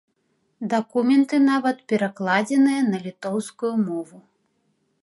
Дакументы нават перакладзеныя на літоўскую мову.